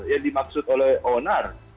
ya dimaksud oleh onar